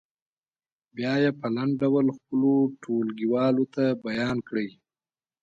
بیا یې په لنډ ډول خپلو ټولګیوالو ته بیان کړئ.